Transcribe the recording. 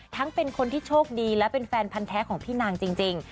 เป็นคนที่โชคดีและเป็นแฟนพันธ์แท้ของพี่นางจริง